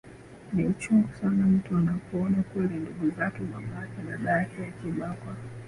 ni uchungu sana mtu anapoona kweli ndugu zake mama yake dada yake akibakwa